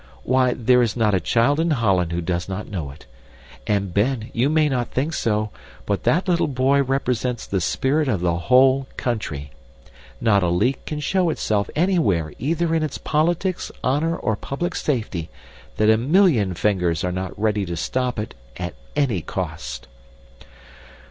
Why, there is not a child in Holland who does not know it. And, Ben, you may not think so, but that little boy represents the spirit of the whole country. Not a leak can show itself anywhere either in its politics, honor, or public safety, that a million fingers are not ready to stop it, at any cost."